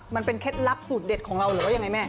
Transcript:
เคล็ดลับสูตรเด็ดของเราหรือว่ายังไงแม่